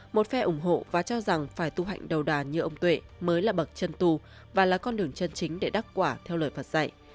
một phe ủng hộ và cho rằng phải tu hạnh đầu đà như ông tuệ mới là bậc chân tu và là con đường chân chính để đắc quả theo lời phật dạy